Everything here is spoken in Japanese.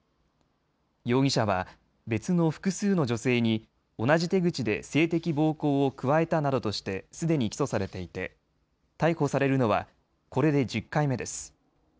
容疑者は別の複数の女性に同じ手口で性的暴行を加えたなどとしてすでに起訴されていて逮捕されるのはこれで１０回目です。